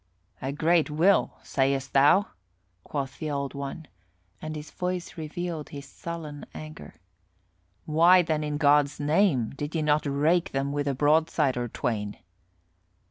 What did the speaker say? "A great will, sayest thou?" quoth the Old One, and his voice revealed his sullen anger. "Why then, in God's name, did ye not rake them with a broadside or twain?"